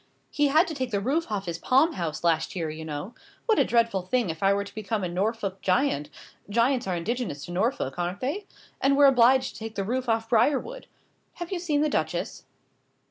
He had to take the roof off his palm house last year, you know. What a dreadful thing if I were to become a Norfolk giant giants are indigenous to Norfolk, aren't they? and were obliged to take the roof off Briarwood. Have you seen the Duchess?"